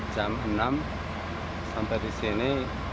jam enam sampai di sini